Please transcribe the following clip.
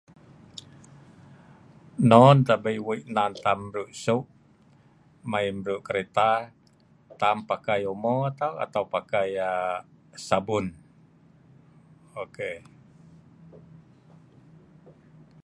non tabei weik nan tam bruk seu mei bruk kereta tam pakai omo ka atau pakai aaa sabun okay